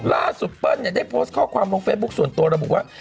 ล่าสุดเปิ้ลเนี่ยได้โพสต์ข้อความตรงเฟซบุ๊คส่วนตัวเราก็บอกว่า